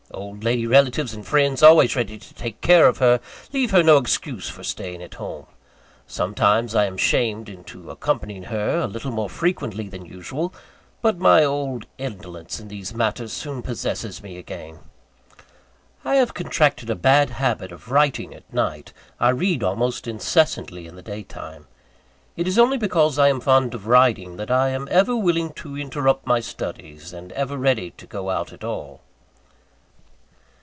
Old lady relatives and friends, always ready to take care of her, leave her no excuse for staying at home. Sometimes I am shamed into accompanying her a little more frequently than usual; but my old indolence in these matters soon possesses me again. I have contracted a bad habit of writing at night I read almost incessantly in the day time. It is only because I am fond of riding, that I am ever willing to interrupt my studies, and ever ready to go out at all.